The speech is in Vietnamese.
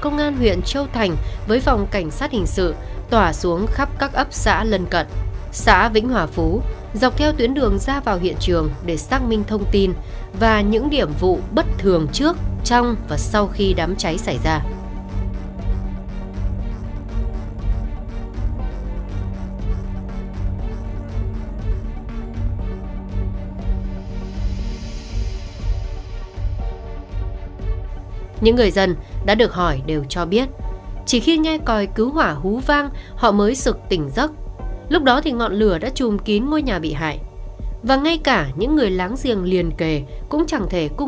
công an mời mình đi lấy khai mình sống ở địa phương cho tốt một kho cha mẹ mình sống sao cho cô bác lắng nghiền ta thương